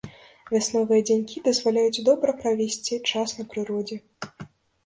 Вясновыя дзянькі дазваляюць добра правесці час на прыродзе.